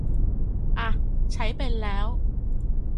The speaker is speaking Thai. อ่ะ ใช้เป็นแล้ว